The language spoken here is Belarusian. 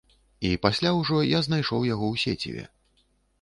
І пасля ўжо я знайшоў яго ў сеціве.